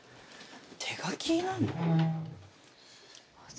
手書きなの？